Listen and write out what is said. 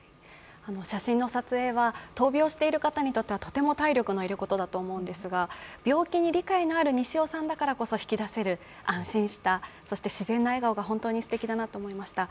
写真の撮影は闘病している方にとってはとても体力の要ることだと思いますが病気に理解のある西尾さんだからこそ引き出せる安心した、そして自然な笑顔が本当にすてきだなと思いました。